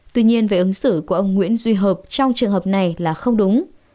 tuy nhiên về ứng xử của ông nguyễn duy hợp trong trường hợp này là không đúng